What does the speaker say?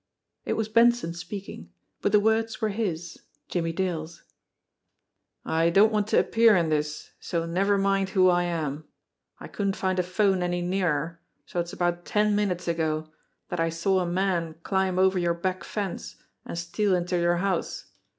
It was Ben son speaking, but the words were his, Jimmie Dale's : "I don't want to appear in this, so never mind who I am. I couldn't find a phone any nearer, so it's about ten minutes ago that I saw a man climb over your back fence and steal into your house.